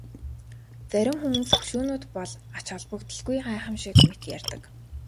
Зарим хүмүүс хөшөөнүүд бол ач холбогдолгүй гайхамшиг мэт ярьдаг.